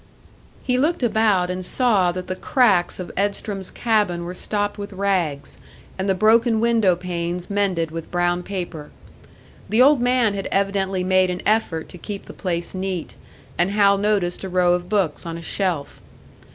He looked about, and saw that the cracks of Edstrom's cabin were stopped with rags, and the broken windowpanes mended with brown paper. The old man had evidently made an effort to keep the place neat, and Hal noticed a row of books on a shelf.